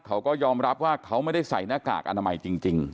เขาก็ยอมรับว่าเขาไม่ได้ใส่หน้ากากอนามัยจริง